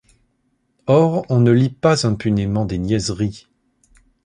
Or on ne lit pas impunément des niaiseries.